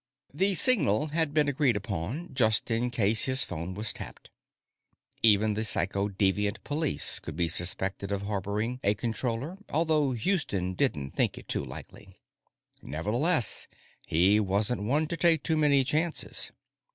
The signal had been agreed upon, just in case his phone was tapped. Even the Psychodeviant Police could be suspected of harboring a Controller although Houston didn't think it too likely. Nevertheless, he wasn't one to take too many chances.